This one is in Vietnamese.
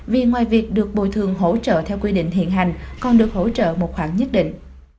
vì ngoài việc được bồi thường hỗ trợ theo quy định hiện hành còn được hỗ trợ một khoản nhất định